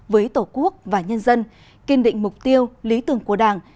với tổ quốc và nhân dân kiên định mục tiêu lý tưởng của đảng